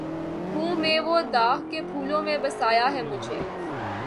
ہوں میں وہ داغ کہ پھولوں میں بسایا ہے مجھے